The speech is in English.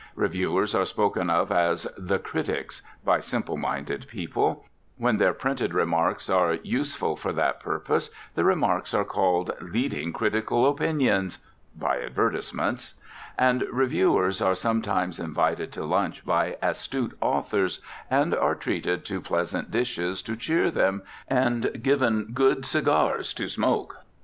Reviewers are spoken of as "the critics" by simple minded people; when their printed remarks are useful for that purpose, the remarks are called "leading critical opinions" by advertisements; and reviewers are sometimes invited to lunch by astute authors, and are treated to pleasant dishes to cheer them, and given good cigars to smoke.